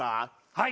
はい！